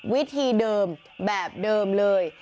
วิธีเดิมแบบเดิมเลย